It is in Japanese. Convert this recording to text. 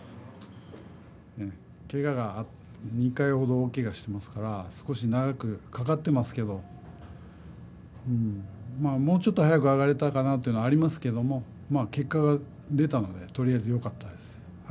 けががあって２回ほど大けがしていますから少し長くかかっていますけどもうちょっと早く上がれたかなというのはありますけど結果が出たのでとりあえずよかったです。